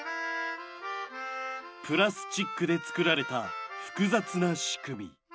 プラスチックで作られた複雑な仕組み。